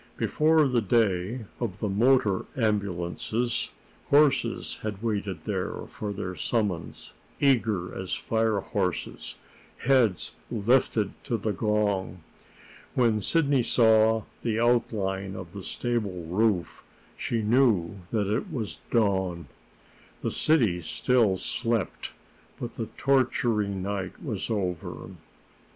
Before the day of the motor ambulances, horses had waited there for their summons, eager as fire horses, heads lifted to the gong. When Sidney saw the outline of the stable roof, she knew that it was dawn. The city still slept, but the torturing night was over.